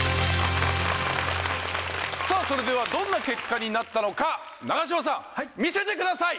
さあそれではどんな結果になったのか永島さん見せてください